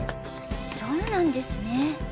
そうなんですね。